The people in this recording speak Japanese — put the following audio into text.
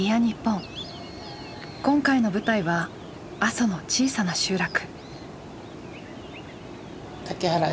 今回の舞台は阿蘇の小さな集落。